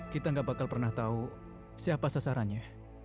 kita tidak akan pernah tahu siapa sasarannya